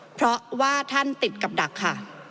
เพราะว่าท่านติดกับดักค่ะ